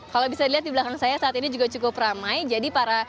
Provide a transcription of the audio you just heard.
kalau bisa dilihat di belakang saya saat ini juga cukup ramai